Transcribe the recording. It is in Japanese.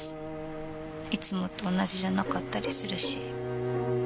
いつもと同じじゃなかったりするし。